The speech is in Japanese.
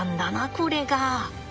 これが。